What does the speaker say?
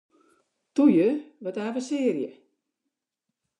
Toe ju, wat avensearje!